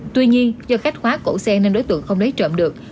tuy nhiên do khách khóa cổ xe nên đối tượng không lấy trộm được